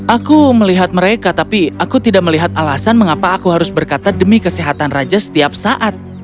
aku melihat mereka tapi aku tidak melihat alasan mengapa aku harus berkata demi kesehatan raja setiap saat